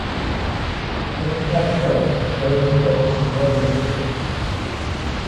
The McNab coat is close, dense and weather resistant.